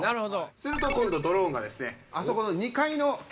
すると今度ドローンが。